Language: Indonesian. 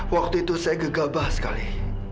waktu itu saya gegabah sekali